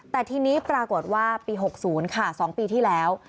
แต่ทีนี้ปรากฏว่าปี๖๐ค่ะ๒ปีที่แล้ว